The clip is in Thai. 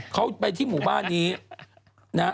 เขาไปที่หมู่บ้านนี้นะฮะ